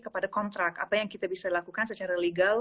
kepada kontrak apa yang kita bisa lakukan secara legal